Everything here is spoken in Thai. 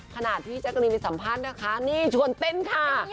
ขณะที่แจ๊กกะรีนไปสัมภาษณ์นะคะนี่ชวนเต้นค่ะ